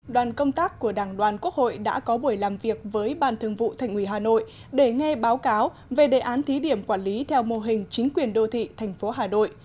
đoàn công tác của đảng đoàn quốc hội đã có buổi làm việc với ban thường vụ thành ủy hà nội để nghe báo cáo về đề án thí điểm quản lý theo mô hình chính quyền đô thị thành phố hà nội